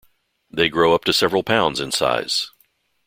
They grow up to several pounds in size.